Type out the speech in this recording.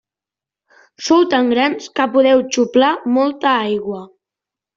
Sou tan grans que podeu xuplar molta aigua.